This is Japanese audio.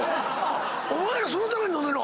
お前らそのために飲んでんの⁉